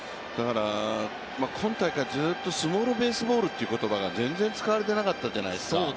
今大会、ずっとスモールベースボールっていう言葉が全然使われていなかったじゃないですか。